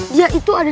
dia itu ada di situ